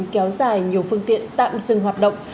kéo dài nhiều phương tiện tạm dừng hoạt động